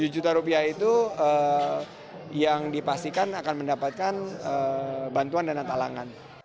tujuh juta rupiah itu yang dipastikan akan mendapatkan bantuan dana talangan